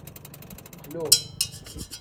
Qlu.